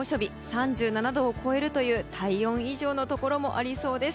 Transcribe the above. ３７度を超えるという体温以上のところもありそうです。